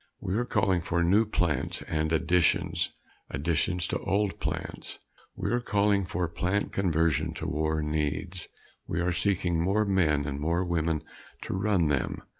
We are calling for new plants and additions additions to old plants. We are calling for plant conversion to war needs. We are seeking more men and more women to run them.